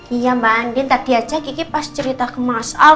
iya mbak andin tadi aja kiki pas cerita ke mars al